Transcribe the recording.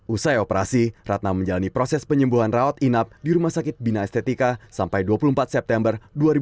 usai operasi ratna menjalani proses penyembuhan rawat inap di rumah sakit bina estetika sampai dua puluh empat september dua ribu dua puluh